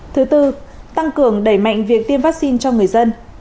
thứ tư tăng cường đẩy mạnh việc tiêm vaccine cho người dân